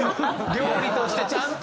料理としてちゃんと。